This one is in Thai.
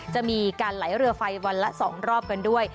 จะมีการไหลเรือไฟวันละ๒รอบกันด้วย